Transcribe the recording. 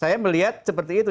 saya melihat seperti itu